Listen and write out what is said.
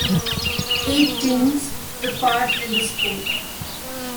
Eight teams took part in this sport.